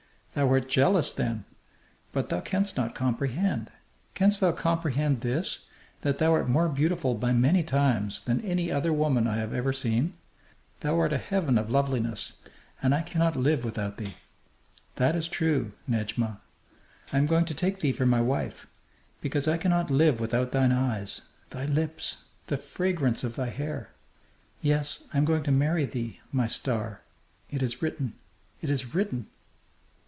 "Thou art jealous, then! But thou canst not comprehend. Canst thou comprehend this, that thou art more beautiful by many times than any other woman I have ever seen? Thou art a heaven of loveliness, and I cannot live without thee. That is true ... Nedjma. I am going to take thee for my wife, because I cannot live without thine eyes, thy lips, the fragrance of thy hair.... Yes, I am going to marry thee, my star. It is written! It is written!"